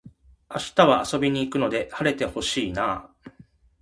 明日は遊びに行くので晴れて欲しいなあ